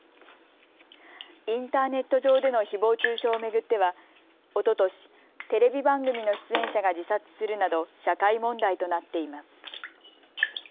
インターネット上でのひぼう中傷を巡ってはおととし、テレビ番組の出演者が自殺するなど社会問題となっています。